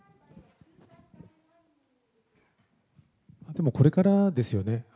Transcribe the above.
でもこれからですよね。